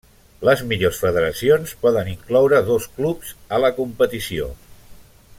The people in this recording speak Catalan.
Les millors federacions poden incloure dos clubs a la competició.